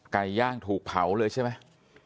ไก่ย่างถูกเผาเลยใช่ไหม